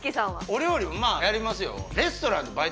お料理はまあやりますよ